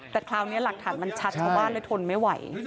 แต่คราวนี้หลักฐานมันชัดเพราะว่าทนไม่ไหว